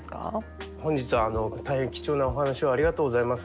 本日大変貴重なお話をありがとうございます。